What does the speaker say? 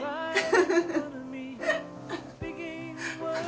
アハハハ！